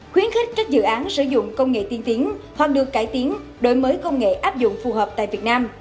khuyến khích các dự án sử dụng công nghệ tiên tiến hoặc được cải tiến đổi mới công nghệ áp dụng phù hợp tại việt nam